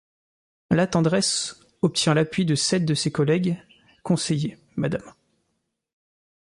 Latendresse obtient l'appui de sept de ses collègues conseillers, Mme.